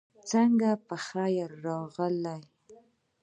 سنګه یی پخير راغلې